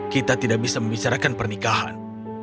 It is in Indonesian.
kita tidak bisa membicarakan pernikahan